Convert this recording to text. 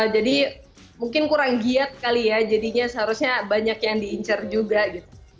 jadi mungkin kurang giat kali ya jadinya seharusnya banyak yang diincar juga gitu